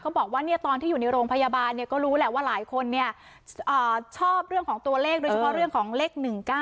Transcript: บอกว่าตอนที่อยู่ในโรงพยาบาลก็รู้แหละว่าหลายคนชอบเรื่องของตัวเลขโดยเฉพาะเรื่องของเลข๑๙